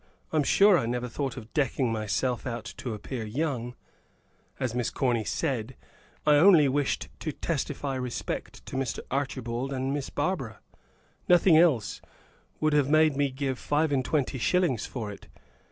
I'm sure I never thought of decking myself out to appear young as Miss Corny said I only wished to testify respect to Mr. Archibald and Miss Barbara; nothing else would have made me give five and twenty shillings for it.